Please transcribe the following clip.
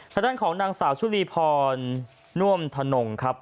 ท่านของดังสาวชุลีพรนวมถนนกครับ